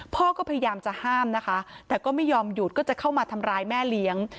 พ่อก็พยายามจะห้ามนะคะแต่ก็ไม่ยอมหยุดก็จะเข้ามาทำร้ายแม่เลี้ยง